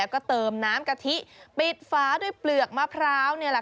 ก็เติมน้ำกะทิปิดฟ้าด้วยเปลือกมะพร้าว